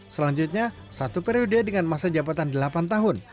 selanjutnya satu periode dengan masa jabatan delapan tahun